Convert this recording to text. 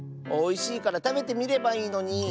おいしいからたべてみればいいのに。